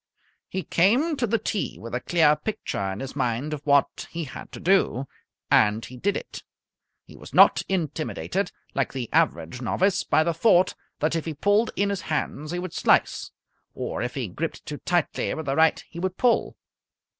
He came to the tee with a clear picture in his mind of what he had to do, and he did it. He was not intimidated, like the average novice, by the thought that if he pulled in his hands he would slice, or if he gripped too tightly with the right he would pull.